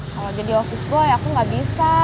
kalau jadi office boy aku gak bisa